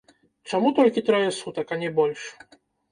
Чаму толькі трое сутак, а не больш?